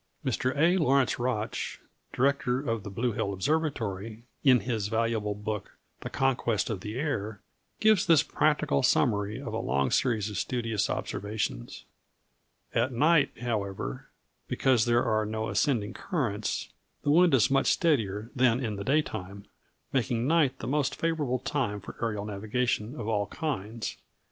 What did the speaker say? Mr. A. Lawrence Rotch, director of the Blue Hill Observatory, in his valuable book, The Conquest of the Air, gives this practical summary of a long series of studious observations: "At night, however, because there are no ascending currents, the wind is much steadier than in the daytime, making night the most favorable time for aerial navigation of all kinds....